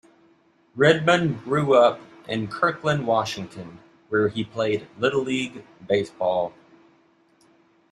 Redmond grew up in Kirkland, Washington, where he played Little League baseball.